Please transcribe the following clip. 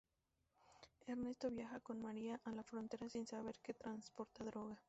Ernesto viaja con María a la frontera sin saber que transporta droga.